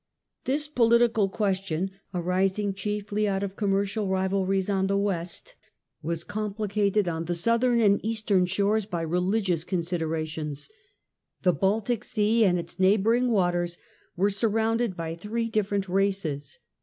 This political question, arising chiefly out of com mercial rivalries on the West, was complicated on the southern and eastern shores by religious considerations, luhabi The Baltic Sea and its neighbouring waters were sur Baitic rounded by three different races.